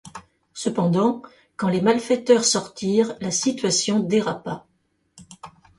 Cependant, quand les malfaiteurs sortirent, la situation dérapa.